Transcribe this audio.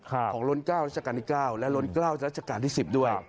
ของร้นเกล้าราชการที่๙และร้นเกล้าราชการที่๑๐ด้วย